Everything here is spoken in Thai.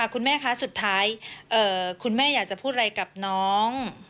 คุณแม่คะสุดท้ายคุณแม่อยากจะพูดอะไรกับน้อง